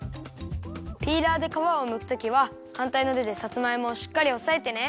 ピーラーでかわをむくときははんたいのてでさつまいもをしっかりおさえてね。